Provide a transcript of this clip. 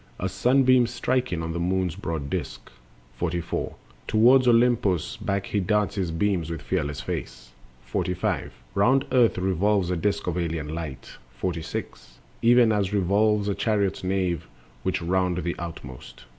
As sunbeam striking on the moon's broad disk. 44. Toward Olympos back he darts his beams, With fearless face. 45. Round earth revolves a disk of alien light. 46. Even as revolves a chariot's nave, which round The outmost.